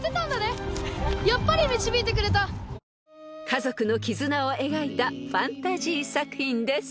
［家族の絆を描いたファンタジー作品です］